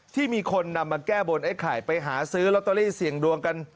ที่มีคนนำมาแก้บนไอ้ไข่ไปหาซื้อลอตเตอรี่เสี่ยงดวงกัน